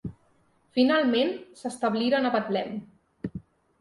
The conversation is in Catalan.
Finalment, s'establiren a Betlem.